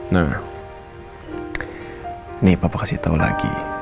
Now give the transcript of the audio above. nah nih papa kasih tau lagi